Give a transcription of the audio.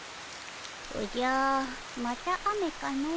おじゃまた雨かの。